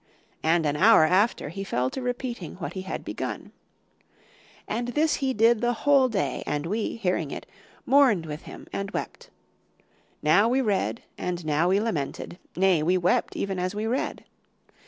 And an hour after, he fell to repeating what he had begun. And this he did the whole day, and we, hearing it, mourned with him and wept. Now we read and now we lamented, nay, we wept even as we read.